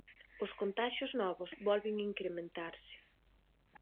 Os contaxios novos volven incrementarse.